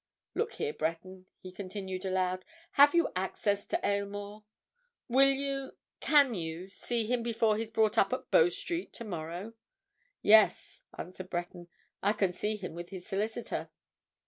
Look here, Breton," he continued, aloud, "have you access to Aylmore? Will you, can you, see him before he's brought up at Bow Street tomorrow?" "Yes," answered Breton. "I can see him with his solicitor."